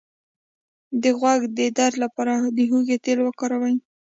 د غوږ د درد لپاره د هوږې تېل وکاروئ